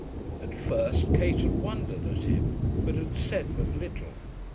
At first Kate had wondered at him, but had said but little.